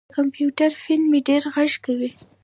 د کمپیوټر فین مې ډېر غږ کوي.